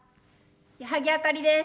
矢作あかりです。